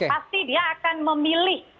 pasti dia akan memilih